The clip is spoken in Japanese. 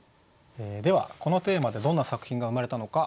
ではこのテーマでどんな作品が生まれたのか。